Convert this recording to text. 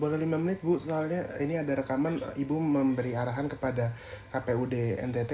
boleh lima menit bu soalnya ini ada rekaman ibu memberi arahan kepada kpud ntt